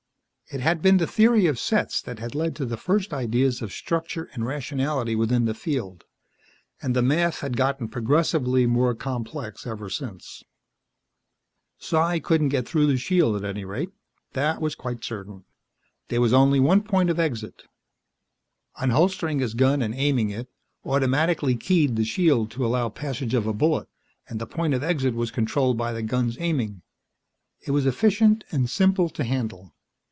It had been the theory of sets that had led to the first ideas of structure and rationality within the field, and the math had gotten progressively more complex ever since. Psi couldn't get through the shield, at any rate; that was quite certain. And very little else could get in, or out. There was only one point of exit. Unholstering his gun and aiming it automatically keyed the shield to allow passage of a bullet, and the point of exit was controlled by the gun's aiming. It was efficient and simple to handle.